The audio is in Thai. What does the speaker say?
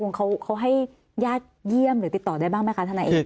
เขาให้ญาติเยี่ยมหรือติดต่อได้บ้างไหมคะธนายเอก